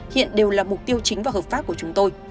hiện đều là mục tiêu chính và hợp pháp của chúng tôi